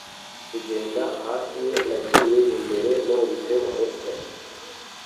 kugenda hafi ye nagiye imbere nubitse umutwe